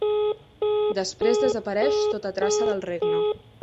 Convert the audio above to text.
Després desapareix tota traça del regne.